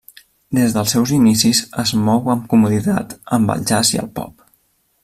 Des dels seus inicis es mou amb comoditat amb el jazz i el pop.